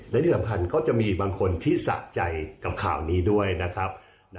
และที่สำคัญก็จะมีบางคนที่สะใจกับข่าวนี้ด้วยนะครับ